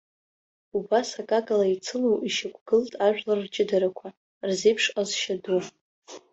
Убас акакала еицыло ишьақәгылт ажәлар рҷыдарақәа, рзеиԥш ҟазшьа ду.